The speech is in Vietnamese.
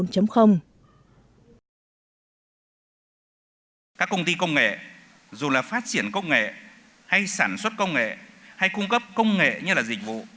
các công ty công nghệ dù là phát triển công nghệ hay sản xuất công nghệ hay cung cấp công nghệ như là dịch vụ